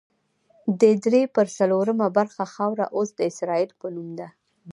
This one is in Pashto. دې درې پر څلورمه برخه خاوره اوس د اسرائیل په نوم ده.